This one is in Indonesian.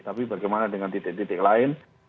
tapi bagaimana dengan titik titik lain